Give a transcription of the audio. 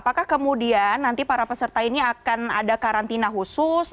apakah kemudian nanti para peserta ini akan ada karantina khusus